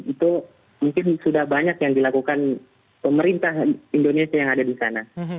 itu mungkin sudah banyak yang dilakukan pemerintah indonesia yang ada di sana